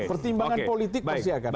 pertimbangan politik pasti akan